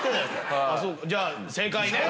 じゃあ正解ね。